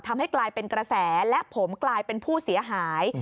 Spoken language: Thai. ทำให้กลายเป็นกระแสและผมกลายเป็นผู้เสียหาย